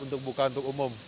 untuk buka untuk umum